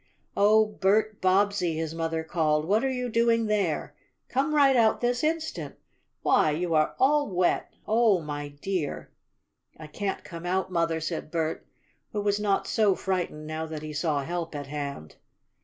"Oh, Bert Bobbsey!" his mother called. "What are you doing there? Come right out this instant! Why, you are all wet! Oh, my dear!" "I can't come out, Mother," said Bert, who was not so frightened, now that he saw help at hand.